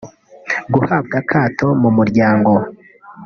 guhabwa akato mu muryango